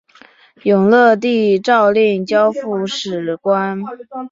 永乐帝诏令交付史官。